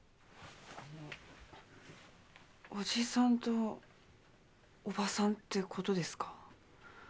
あの伯父さんと叔母さんってことですか？